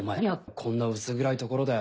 こんな薄暗いところで。